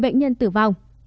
một mươi bệnh nhân tử vong